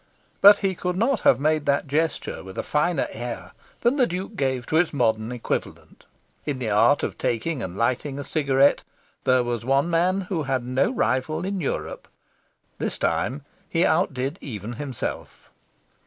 But he could not have made that gesture with a finer air than the Duke gave to its modern equivalent. In the art of taking and lighting a cigarette, there was one man who had no rival in Europe. This time he outdid even himself.